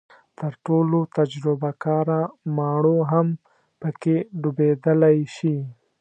تر ټولو تجربه کاره ماڼو هم پکې ډوبېدلی شي.